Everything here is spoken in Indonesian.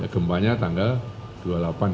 gembanya tanggal dua puluh delapan kan